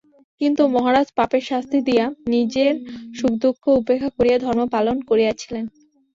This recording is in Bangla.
কিন্তু মহারাজ পাপের শাস্তি দিয়া নিজের সুখদুঃখ উপেক্ষা করিয়া ধর্ম পালন করিয়াছিলেন।